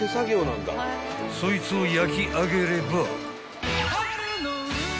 ［そいつを焼き上げれば］